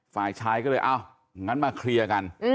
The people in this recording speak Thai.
ฝ่ายชายก็เลยเอางั้นมาเคลียร์กัน